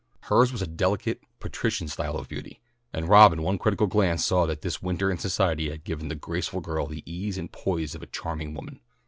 Hers was a delicate, patrician style of beauty, and Rob in one critical glance saw that this winter in society had given the graceful girl the ease and poise of a charming woman.